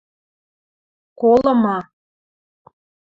Колыма